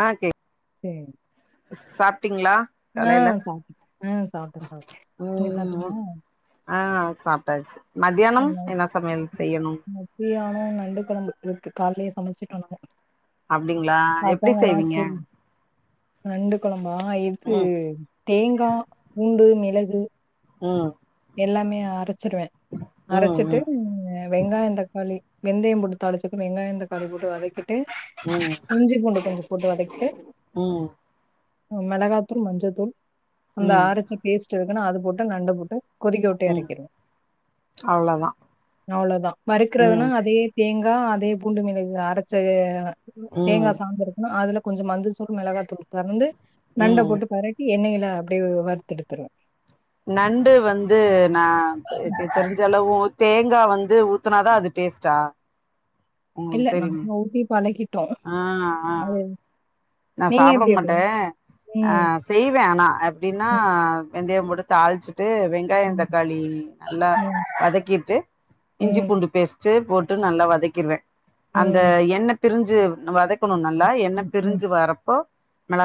ஆ K சேரி சாப்ட்டீங்களா ஆ காலைல சாப்டே ஆ சாப்டே சாப்டே நீங்க ம் சாப்டீங்களா ஆ சாப்டாச்சி மத்தியானம் என்ன சமையல் செய்யணும் ஃப்ரீ ஆனா நண்டு கொழம்பு இருக்கு கால்லையே சமச்சிடோ நாங்க அப்டிங்களா எப்டி பசங்கல்லா செய்வீங்க ஸ்கூல் நண்டு கொழம்பா இது ம் தேங்கா பூண்டு மிளகு ம் எல்லாமே அரைச்சிருவே அரைச்சிட்டு ம் வெங்காயம் தக்காளி வெந்தயம் போட்டு தாளிச்சிட்டு வெங்காயம் தக்காளி போட்டு வதக்கிட்டு ம் இஞ்சு பூண்டு கொஞ்சோ போட்டு வதக்கிட்டு ம் மிளகாத்தூள் மஞ்சத்தூள் அந்த ம் அரச்சி பேஸ்ட் இருக்குன்னா அது போட்டு நண்டு போட்டு கொதிக்கவுட்டு ம் எறக்கிடுவே அவ்ளோதா அவ்ளோதா வறுக்குறதுன்னா ம் அதே தேங்கா அதே பூண்டு மிளகு அரச்ச ம் தேங்கா சாந்து இருக்குணு அதுல கொஞ்ச மஞ்சதூள் மெளகாத்தூள் பெறந்து நண்ட ம் போட்டு பரட்டி எண்ணெயில அப்டிய வறுத்து எடுத்துருவே நண்டு வந்து நா தெரிஞ்ச அளவு தேங்கா வந்து ஊத்துனாதா அது டேஸ்டா இல்ல உங்ளுக் தெரியு நம்ம ஊத்தி பழகிட்டோம். ஆ ஆ அ அது நா நீங்க சாப்ட எப்படி மாட்டே வைப்பீங்க? ஆ ம். செய்வே ஆனா எப்டினா ம். வெந்தய போட்டு தால்ச்சிட்டு வெ வெங்காய ம். தக்காளி நல்லா வதக்கிட்டு இஞ்சி ம். பூண்டு பேஸ் ட்டு போட்டு நல்லா வதக்கிருவே அந்த ம். ம். எண்ண பிரிஞ்சு வதக் க்கணு நல்லா என்ன பிரிஞ்சு வரப்போ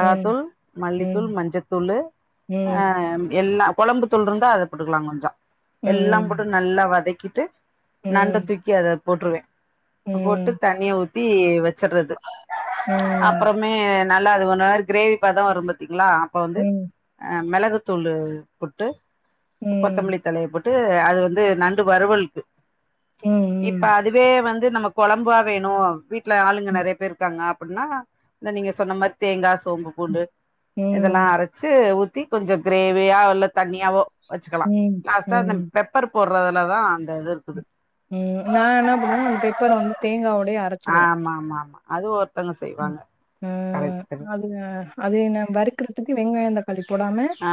ம். ம். மல்லித்தூள் ம். மஞ்சத்தூளு ஆ ம். எல்லா கொழம்பு தூள்ருந்தா அத போட்டுக்லா கொஞ்ச எல்லா ம். போட்டு நல்லா வதக்கிட்டு நண்ட ம். தூக்கி அத போட்ருவே போட்டு தண்ணிய ஊத்தி வச்சடுறது ம் மே நல்லா அது ஒன்னு வரு கிரேவிபதோ வரு பாத்தீங்ளா அப்ப வந்து ம். மெளகுத்தூள் போட்டு ம். கொத்தமல்லி தலைய போட் ட்டு அது வந்து நண்டு வருவல்கு ம் இப்ப அதுவே வந்து நம்ம கொழம்பா வேணு வீட்ல ஆளுங்க நெறைய பேர் இருக்காங்க அப்டின்னா இந்த நீங்க சொன்ன மாரி தேங்கா சோம்பு பூண்டு இதெல்லா அரச் சி ஊத்தி கொஞ்ச கிரேவியா இல்ல தண்ணியாவோ வச்சுக்கலா ம். லாஸ்ட்டா அந்த ம். பெப் ப்பர் போடுறதுலதா அந்த இது இருக்குது ம் நா என்ன பண்ணுவே அந்த பெப்பர வந்து தேங்காவோடையே அரச் ஆமா ஆமா ஆமா அது ஒருத்தங்க ம். செய்வாங்க அ கரெட் கரெட் அது அது நா வறுக்கறதுக்கு வெங்காய தக்காளி போடாம ஆ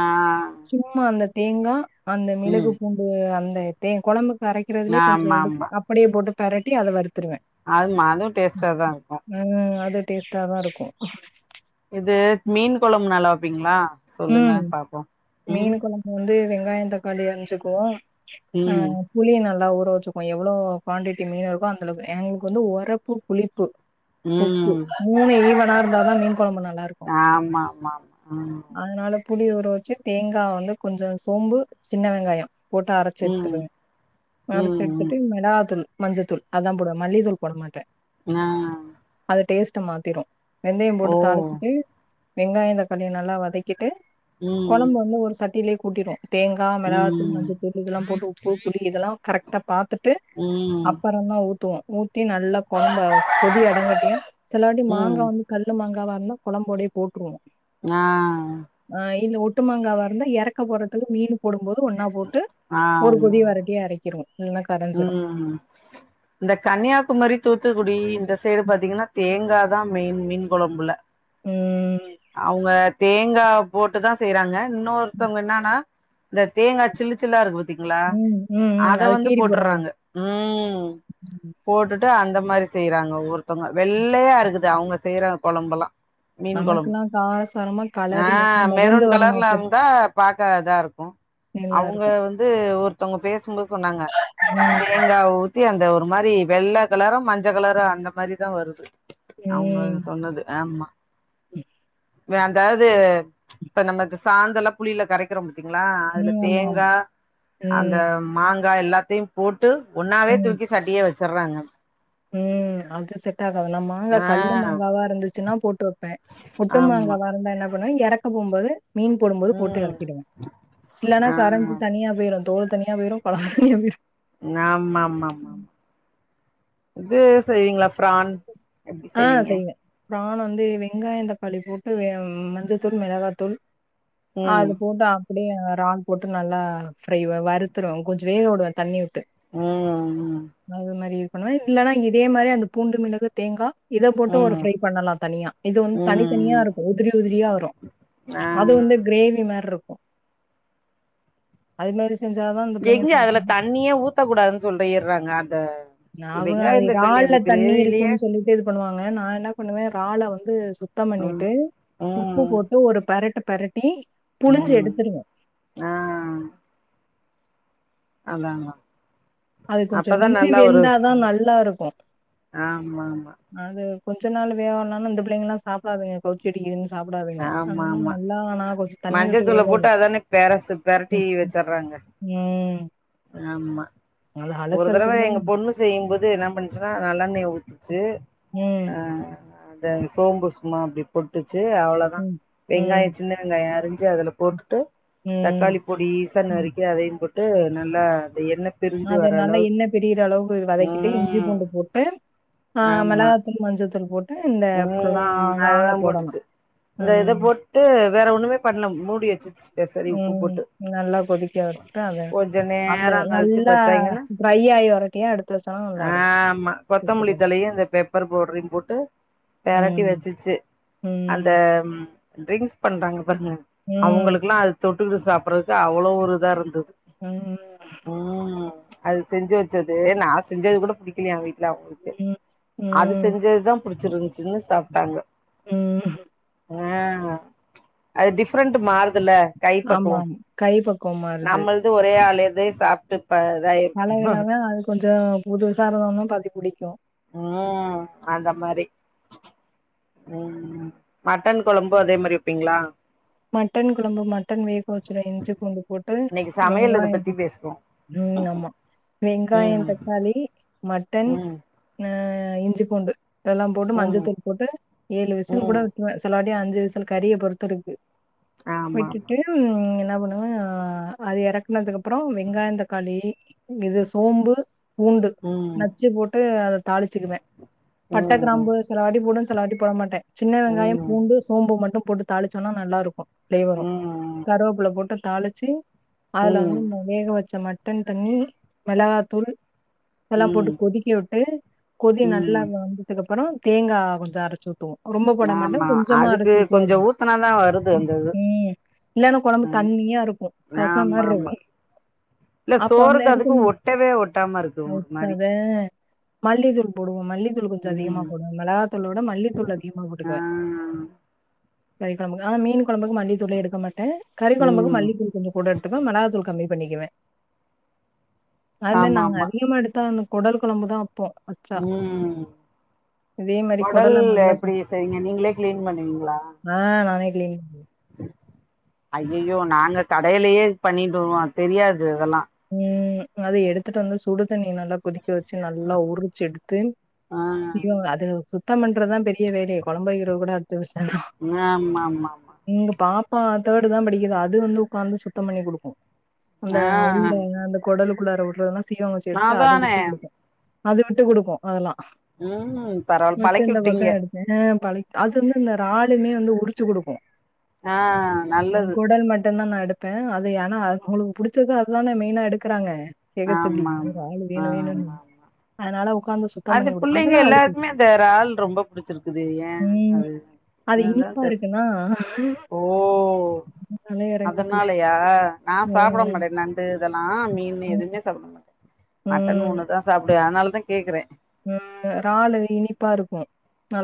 சும்மா அந்த தேங்கா அந்த மிளகு ம் பூண்டு அந்த தே கொழம்புக் அரைக்கறதுலயே கொஞ்ச ஆமா எடுத்து ஆமா அப்படியே போட்டு பெரட்டி அத வருறுத்துருவே அது மாது டேஸ்ட்டாதாருக்கு ம் அது டேஸ்டா தா இருக்கு இது மீன் கொழம்பு நல்லா வப்பீங்ளா சொல்லுங்க ம் பாப்போ மீன் ம் கொழம்பு வந்து வெங்காய தக்காளி அறிஞ்சுக்குவோ ஆ ம் புளிய நல்லா ஊற வச்சுக்குவோ எவ்ளோ குவான்டிட்டி மீன் இருக்கோ அந்தளவுக்கு எங்களுக்கு வந்து ஒரப்பு புளிப்பு உப்பு ம் மூணு ஈவனா இருந்தாதா மீன் கொழம்பு நல்லா இருக்கு ஆமா ஆமா ஆமா ம் அதனால புளி உற வச்சு தேங்கா வந்து கொஞ்ச சோம்பு சின்ன வெங்காயொ போட்டு அரச்சி ம் எடுத்துகுவ அரச்சி ம் ம் எடுத்துட்டு மிளகாதூள் மஞ்சத்தூள் அதா போடுவே மல்லித்தூள் போட மாட்ட ஆ அது டேஸ்ட மாத்திரு வெந்தய போட்டு ஓ தாளிச்சிட்டு வெங்காய தக்காளிய நல்லா வத தகிட்டு ம் கொழம்ப வந்து ஒரு சட்டியிலயே கூட்டிருவோ தேங்கா மெளகாத்தூள் ம் மஞ்சத்தூள் இதெல்லா போட்டு உப் உப்பு புளி இதெல்லா கரெக்டா பாத்துட்டு ம் அப்புற தா ஊத்துவோ ஊத்தி நல்லா கொழம்ப கொதி அடங்கட்டு சிலவாட்டி ம் மாங்கா வந்து கல்லு மங்காவா இருந்தா கொழம்போடயே போட்டுருவோ ஆ ஆ இல்ல ஒட்டுமங்காவாருந்தா யறக்க போறதுக்கு மீனு போடும்போது ஒன்னா போட்டு ஒரு கொதி ஆமா வரட்டிய எரக்கிருவோ இல்லனா ம் இந்த கன்னியாகுமரி தூத்துக்குடி இந்த சைடு பாத்தீங்கன்னா தேங்கா தா மெயின் மீன் கொழம்புல ம் அவங்க தேங்கா போட்டு தா செய்றாங்க இன்னொருத்தவங்க என்னன்னா இந்த தேங்கா சில்லு சில்லா இருக்கூ பாத்தீங்ளா ம் ம் ம் அத வந்து போட்டுறாங்க ம் ம் போட்டுட்டு அந்த மாரி செய்றாங்க ஒருத்தவுங்க வெள்ளையா இருக்குது அவுங்க செய்ற கொழம்பெல்லா மீன் கொழம்பு நமக்குலா காரசாரமா ஆ கலரு என்ன மிதந்து மெரூன் வரணும் அப்ப கலர்லந்தா பாக்க அதா இருக்கூ பிரச்சனைலாம் அவுங்க இருக்கும். வந்து ஒருத்தவுங்க பேசும்போது சொன்னாங்க தேங்கா ஊ த்தி அந்த ஒரு மாரி வெள்ள கலரோ மஞ்ச கலரோ அந்த மாரிதா வருது அவுங்க ம். சொன்னது ஆமா ம் வேந்தாது இப்ப நம்ம இந்த சாந்துலப் புளில கரைக்கிறோ பாத்தீங்ளா அதுல ம். ஆமாமா. தேங்கா அந்த ம். மாங்கா எல்லாத்தையு போட்டு ஒன்னாவே ம். தூக்கி சட்டிய வச்சுர்றாங்க ம் அது செட் ஆகாதுலமா ங்கா கல்லு ஆ மாங்காவா இருந்துச்சுன்னா போட்டு வைப்பே பொட்டு ஆமா மாங்காவா இருந்தா என்னப் எறக்க போம்போது மீன் போடும்போது போட்டு ம் எறக்கிடுவே இல்லனா ஆ கரஞ்சி தனியா போயிரூ தோல் தனியா போயிரூ [unintelligible] நாம்மாமாமா இது செய்வீங்களா ப்ரான் எப்டி செய்வீங்க ப்ரான் வந்து வெங்காய தக்காளி போட்டு ம் மஞ்சத்தூளு மெளகாத்தூளு அ ம் அது போட்டாக் அப்டியே றால் போட்டு நல்லா ஃப்ரைவ வறுத்துடருவே கொஞ்சோ வேகவிடுவே தண்ணி விட்டு ம் ம் அது மாரி பண்ணுவே இல்லனா இதே மாரி அந்த பூண்டு மிளகு தேங்கா இத போட்டு ஒரு ம் ஃப்ரை பண்ணலா தனியா இது வந்து தனித்தனியா ம் இருக்கூ உதிரி உதிரியா வரு ஆ அது வந்து கிரேவி மார்ருக்கூ அது மாரி செஞ்சாதான் எங்க அதுல தண்ணியே ஊத்த கூடாதுன் சொல்லிர்றாங்க அந்த அவங்க அது வெங்காயந் தக்காளி இறால்ல அந்த தண்ணி கிரேவிலயே இருக்கூன் சொல்லிட்டு இது பண்ணுவாங்க நா என்ன பண்ணுவ றால வந்து சுத்தம் ம் பண்ணிட்டு உப்பு ம் போட்டு ஒரு பெரட்டு பெரட்டி ம் புழிஞ்செடுத்துருவோ ஆ அதா அதா அது கொஞ்சோ அப்பதா நின்னு நல்லா ஒரு வெந்தாதா நல்லாருக்கூ ஆமா ஆமா அது கொஞ்சனாலு வேகல்னாலு இந்த பிள்ளைங்கலா சாப்டாதுங்க கவுச்சி அடிக்குதுன் சாப்டாதுங்க ஆமா அதா ஆமா நல்லா நா கொஞ் தண்ணி விட்டு மஞ்சத்தூள போட்டு வேகவுடுவ அதானே பெரசு பெரட்டி வச்சுர்றாங்க ம் ஆம்மா அது ஒரு தரவ அலசறதுக்குள்ள எங்க பொண்ணு செய்யும்போது என்ன பண்ணிச்சுனா நல்லாண்ணய ஊத்திச்சு ம், இந்த சோம்பு சும்மா அப்டி பேட்டுச்சு அவ்ளோதா ம், ம், வெங்காய சின்ன வெங்காய அரிஞ்சு அதுல போட்டுட்டு ம் தக்காளி பொடிசா ம். நறுக்கி அதையு போட்டு நல்லா அந்த எண்ணெ பிரிஞ்சு அது வர நல்லா அளவுக்கு எண்ணெ பிரியிற அளவுக்கு வதக்கிட்டு இஞ்சி ம் பூண்டு போட்டு ஆ ஆமா மெளகா தூளு மஞ்சத்தூள் போட்டு இந்த ப்ரா ம் றால போடணு ம் ட்டு வேற ஒன்னுமே பண்ல மூடி வச்சிர்ச்சு கேசரி உப்பு ம். போட்டு நல்லா கொதிக்க விட்டு, அத கொஞ்ச அந்த நேரங் கழிச்சு பாத்தாய்ங்கனா ஏ அடுத்த சா ஆம்மா கொத்தமல்லி தழையு அந்த பெப்பர் பவுட்ரையு போட்டு பெரட்டி ம், வச்சிச்சு அந்த ம், ம் ட்ரிங்க்ஸ் பண்றாங்க பாருங்க ம், அவுங்ளுக்லா அது தொட்டுகிட்டு சாப்றதுக்கு அவ்ளோ ஒரு இதாருந்தது ம் ம் அது செஞ்சு வச்சது நா செஞ்சது கூட புடிக்கிலியா வீட் இல்ல அவுங்ளுக்கு ம், அது ம், செஞ்சதுதா புடிச்சிருந்ச்சுன்னு சாப்டாங்க ம் ஆ அது டிஃப்ரெண்ட்டு மாறுதுல்ல கை ஆமா பக்குவோ கை பக்குவ மாறுது நம்மள்து ஒரே ஆளேதே சாப்டுட் ப தை அழகுனதா அது கொஞ்சோ புதுசா [unintelligible] பாத்து புடிக்கு ம் அந்த மாரி ம் மட்டன் கொழம்பு அதே மாரி வப்பீங்ளா மட்டன் கொழம்பு மட்டன் வேக வச்சுருவ இஞ்சி பூண்டு போட் ட்டு இன்னைக்கு சமையல் இத வெங்காய பத்தி பேசுவோ [inaudible] ம் ஆமா வெங்காயந் ம் தக்காளி மட்டன் ம் அ இஞ்சி பூண்டு இதெல்லா போட்டு ம் மஞ்சத்தூள் போட்டு ஏழு விசில் கூட ம் வ சிலவாட்டி அஞ்சு விசில் கறிய பொறுத்துருக்கு ஆமா ஆமா விட்டுட்டு ம் என்ன பண்ணுவே ஆ அது இறக்குனதுக்கப்ற வெங்காயந் தக்காளி இது சோம்பு பூண்டு ம் நச்சு போட்டு அத தாளிச்சுகுவ பட்ட ம் கிராம்பு சிலவாட்டி போடுவ சிலவாட்டி போட மாட்ட சின்ன வெங்காய ம் பூண்டு சோம்பு மட்டு போட்டு தாளிச்சோனா நல்லாருக்கு ப்ளேவரு ம் கருவூப்ல போட்டு தாளிச்சி அதுல வந்து ம் இந்த வேக வச்ச மட் மட்டன் தண்ணி மிளகாத்தூள் இதலா ம் போட்டு கொதிக்கவுட்டு கொதி நல்லா ம் வந்ததுக்கப்பற தேங்கா கொஞ்ச அரச்சி ஊத்துவோ ரொம்ப போட மாட்ட கொஞ்சமா அரச்சு ஊத்வாங்க த்தனாதா வருது அந்தது இல்லன்னா கொழம்பு ம் தண்ணியா இருக்கு. ரசோ ஆமா மாரி மா இருக்கு. இல்ல அப்ப வந்து சோறுக்கு எதுக்கு அதுக்கு இந்த ஒட்டவே ஒட்டாமருக்கு ஒரு மாரி ஊத்தாத மல்லித்தூள் போடுவோ மல்லித்தூள் கொஞ்ச அதிகமா ம் போடுவ மெளகாத்தூள விட மல்லித்தூள் அதிகமா ஆ போட்டுக்குவே கறி கொழம்புக்கு ஆனா மீன் கொழம்புக்கு மல்லித்தூளே எடுக்க மாட்ட கறி கொழம்புக்கு ம் மல்லித்தூள் கொஞ்சோ போடு த்துக்கு மெளகாத்தூள் கம்மி பண்ணிக்குவே அது தா ஆமா நாங்க ஆமா அதிகமா எடுத்தான குடல் குழம்பு தா அப்போ ம் இதே மாரி கொடல் குடல நல்லா சு எப்டி செய்வீங்க நீங்களே கிளீன் பண்ணுவீங்களா ஆ நானே கிளீன் ஐயயோ நாங்க கடைலயே பண்ணிட்டு வருவோ தெரியாது இதெல்லா ம் அது எடுத்துட்டு வந்து சுடுதண்ணி நல்லா கொதிக் க்க வச்சு நல்லா உரிச்சு எடுத்து ஆ சீவ அது சுத்தம் பண்றதா பெரிய வேலையே கொழம்பு வக்கிற கூட அஞ்சு நிமிஷந்தா ஆம்மா மா எங்க பாப்பா தேர்டுதா படிக்குது அது வந்து உக்காந்து சுத்த பண்ணி குடுக்கு அந்த உ ஆ அ அந்த குடலுக்குள்ளார வுட்றலா சீவங்க வச்சு எடுத்து அத அதானே விட்டு குடுக்கு அது விட்டு குடுக்கு அதெலா ம் பரவால்ல பழக்கி விட்டீங்க [unintelligible] ஆ பழக் அது வந்து இந்த றாலுமே வந்து உரிச்சு குடுக்கு ஆ ம் நல்லது குடல் மட்டுந்தா நா எடுப் பே அது ஏனா அது அவங்களுக்கு புடிச்சது அதுதானே மெயினா எடுக்கறாங்க கேக்க சொல்லி ஆமா இன்னொரு ஆமா ஆளு வேணு வேணுனு ஆமா ஆமா அதனால உக்காந்து சோ அது பிள்ளைங்க எல்லார்க்குமே இந்த இறால் ரொம்ப புடிச்சிருக்குது ஏ ம். அது அது அதா இனிப்பா தெர் இருக்குன்னா ஓ தலை இறங்குது. அதனாலையா நா சாப்ட அதனால. மாட்ட நண் டு இதெல்லா மீன் ம். எதுவுமே சாப்ட மாட்ட மட்டன் ம். ஒன்னுதா சாப்டுவ அதனாலதா கேக்குற ம் றாலு இனிப்பா இருக்கு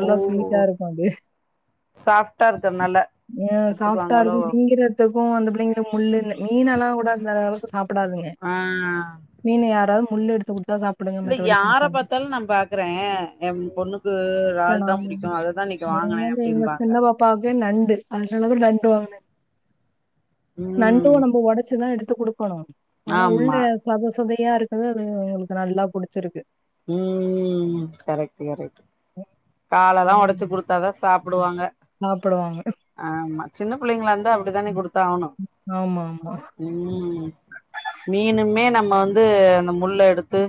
ஓ ஸ்வீட்டா இருக்கு அது சாஃப்டா இருக்கர்னால ம் சாஃப்டா இருக்கு திங்கிறத்துக்கு அந்த பிள்ளைங்களுக் முள்ளு இந்த மீனெல்லா கூட அந்தளவுக்கு சாப்படாதுங்க ஆ அ மீன யாராவ்து முள்ளு எடுத்து குடுத்தா சாப் இல்ல யார பாத்தாலு நா பாக்கறே எம்பொண்ணுக்கு இல்ல றாள் தா நாங்க புடிக்கு அது தா இன்னிக்கு வாங்குனே அப்டிம்பாங்க பாக்வே நண்டு அதுனாலது நண்டு வாங்குனே ம் நண்டு நம்ப ஒடச்சு தா எடுத்து குடுக்கணு ஆனா உள்ள ஆமா சத சதையா இருக்கர்து அதுங்களுக்கு நல்லா புடிச்சிருக்கு ம் ம் கரக்ட்டு கரக்ட்டு காலெல்லா ஒடச்சு குடுத்தா தா சாப்புடுவாங்க சாப்புடுவாங்க ஆமா சின்ன பிள்ளைங்களா இர்ந்தா அப்டிதானே குடுத்தாவணு ஆமா ஆமா ம் மீனுமே நம்ம வந்து அந்த முள்ள எடுத்து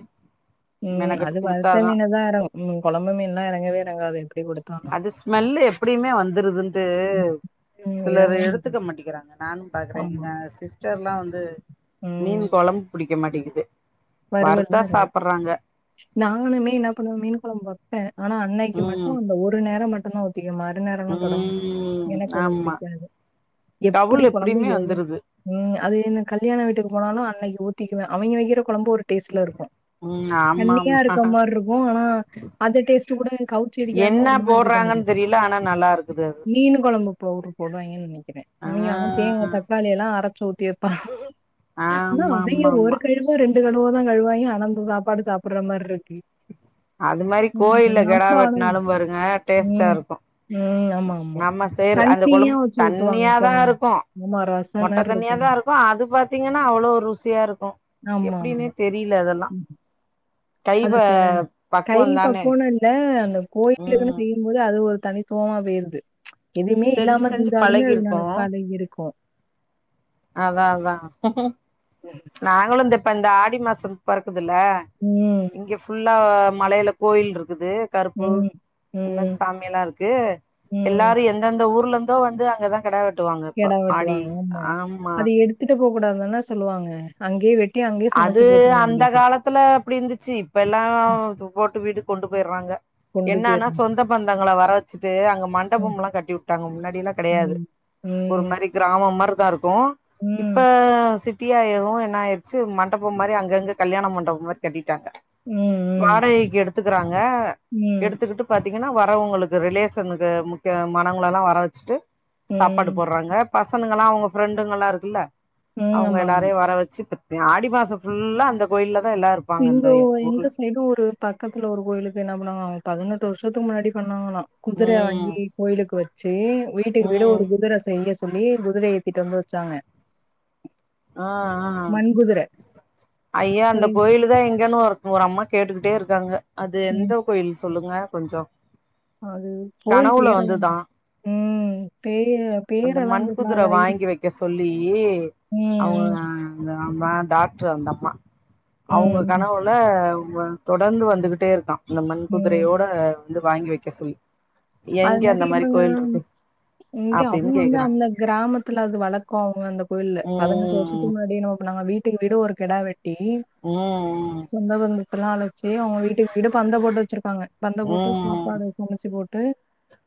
ம் மெனக்கெட்டு அது வறுத்த குடுத்தாதா மீனு தா எறங் ம் கொழம்பு மீன்லா எறங்கவே எறங்காது எப்டி குடுத்தாலு மல்லு எப்டியுமே வந்துருதுன்ட்டு ம் ம், சிலர் இறங்க மாட்டேங்குது. எடுத்துக்க மாட்டிக்கிறாங்க நானு பாக்கறே ஆமா எங்க சிஸ்டர்லா வந்து ம் மீன் கொழம்பு பிடிக்க மாட்டிக்கிது வறுவல் தா எறங்கு நாங்களுமே என்னா பண்வோ மீன் கொழம்ப் வெப் பே ஆனா அன்னைக்கு ம் மட்டு அந்த ஒரு நேரோ மட்டுந்தா மறு நேரல்லா தொடம் ம் எனக் அது ஆமா புடிக்காது எப்புடி கவுல் கொழம்பு எப்டியுமே எவ்ளோ வந்துருது ம் அது இந்த கல்யாண வீட்டுக் போனாலு அன்னைக்கு ஊத்திக்குவே அவிங்க வெக்கற கொழம்பு ஒரு டேஸ்ட்ல இருக்கு ம் தண்ணியா ஆமாமா இருக்க மார்ருக்கு ஆனா அந்த டேஸ்ட்டு கூட கவுச்சி அடிக்காம என்ன ஒரு மார்ருக்கு போட்றாங்கன் தெரில ஆனா நல்லா இருக்குது அது [unintelligible] மீனு கொழம்பு பவுட்ரு போடுவாய்ங்கன் நெனைக்கிற ஆ அவிங்க ஆனா தேங்கா, தக் காளி எல்லா அரச்சு ஊத்திருப்பா ஆனா அவிங்க ஒரு ஆமாமாமா கல்யா ரெண்டு கழுவோதா கழுவாய்ங்க அஆன அஞ்சு சாப்பாடு சாப்ற மாதிரி இருக்கு அது மாரி ம். கோயில்ல கெடா நம்ப ஆனா வெட்னாலு பாருங்க டேஸ்ட்டா ம், இருக்கு ம். ஆமா, ஆமா. நம்ம சேறுஅந்த கொழம் தண்ணியாதா இருக்கு உமாராசி மொட்ட தண்ணியா தா இருக்கு அது பாத்தீங்கன்னா அவ்லோ ருசியா இருக்கு ஆமா எப்டின்னே ஆமா தெரில அதெல்லா கைவ அது சில கை பக்குவனு இல்ல அந்த கோயிலுக்குன்னு ம் செய்யும்போது அது ஒரு தனித்துவமா போயிருது எதுமே செஞ்சு இல்லாம செஞ்சு செஞ்சாலுமே அது நல பழகிருக்கோ பாக இருக்கு அதா அதா நாங்களு இந்த இப்ப இந்த ஆடி மாசோ பொறக்குதுல்ல ம் இங்க ஃபுல்லா மலைல கோயில்ருக்குது கருப்பு ம். இந் மார் ம். சாமி ல்லா இருக்கு ம். எல்லாரு எந்தெந்த ஊர்லர்ந்தோ வந்து அங்க தா கடா வெ ட்டுவாங்க இப்ப ஆடி ஆம்மா த்துட்டு போ கூடாதுன் தான சொல்லுவாங்க அங்கயே வெட்டி அங்கயே அது அந்த காலத்துல அப்டி இர்ந்துச்சு இப்ப எல்லா ம். து போட்டு வீட்டுக் கொண்டு போய்றாங்க கொண்டு என்னானா போயிரணும். சொந்தம் பந்தங்கலா வர வச்சுட்டு அங்க மண்டப ம். எல்லா கட்டி விட்டாங்க முன்னாடிலா கெடையாது ம். ஒரு ம். மாதிரி கிராமம் மாரிதா இருக்கு இப்ப... ம். சிட்டியா எவு என்ன ச்சு மண்டபம் மாரி அங்கங்க கல்யாண மண்டபம் மாரி கட்டிட்டாங்க உம் வாடகைக்கு எடுத்துக்கிறாங்க ம். எடுத்துக்கிட்டு பாத்தீங் ஏனா வரவங்களுக்கு ரிலேஷனுக்கு முக்கிய மானவங்கள எல்லா வர வச்சுட்டு சாப்பாடு ம். போடுறாங்க பசங்கனுங்களா அவங்க ஃப்ரெண்டுங்கல்லா இருக்குல்ல ம். அவங்க ஆமா. எல்லாரையு வர வச்சு ஆடி மாச ஃபுல்லா அந்த கோயில்ல தா எல்லா இருக் எங்க ஓ எங்க சைடு ஒரு பக்கத்துல ஒரு கோயிலுக்கு என்ன பண்ணாங்க அவங்க பதினெட்டு வருஷத்துக்கு முன்னாடி பண்ணாங்களா ம் குதிரையாக்கி கோயிலுக்கு வச்சு வீட்டுக்கு வீடு ம் ஒரு குதிர செய்ய சொ சொல்லி குதிர ஏத்திட்டு வந்து வச்சாங்க ஆ ஆ மண் குதிர ஐயா அந்த சரி கோயிலு தா எங்கேன்னு ஒரு ஒர் அம்மா கேட்டுக்கிட்டே இருக்காங்க அது ம் எந்த கோயில் சொல்லுங்க கொஞ்சோ அது கோயில் கனவுல பேரலாம் வந்துதா உம் பேரலா அந்த மண்குதிர வாங்கி வக்க சொல்லி அவுங்க ம் இந்த நா தா டாக்டர் அந்த அம்மா ம் அவுங்க ம் ம் கனவு ல ம தொடர்ந்து வந்துகிட்டே இருக்கா இந்த மண் ம் குதிரையோட வந்து வாங்கி வக்க சொல்லி எங்க அந்த மாதிரி கோயில் இருக்கு இங்கே அவங்க அப்டின்னு வந்து கேக்குறாங்க அந்த கிராமத்துல இங்க அது வந்து அந்த கிராமத்தில வந்து வளக்கோ அவுங்க அந்த கோயில்ல பதினெட்டு ம் வருஷத்துக்கு முன்னாடியே என்னமோ பண்ணாங்க வீட் தூக்கி கிட்டு ஒரு கிடா வெட்டி உம் சொந்தபந்தத்தல்லா அழைச்சு அவங்க வீட்டுக்கு வீடு பந்த போட்டு வச்சிருப்பாங்க பந்த போட்டு ம் சாப்பாடு சமைச்சு போட்டு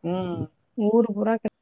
ம் நீ ஊரு பூரா க